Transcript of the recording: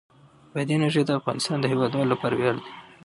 بادي انرژي د افغانستان د هیوادوالو لپاره ویاړ دی.